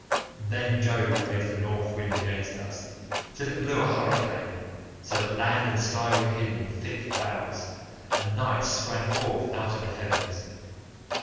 Then Jove raised the North wind against us till it blew a hurricane, so that land and sky were hidden in thick clouds, and night sprang forth out of the heavens.